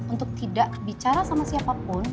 untuk tidak bicara sama siapapun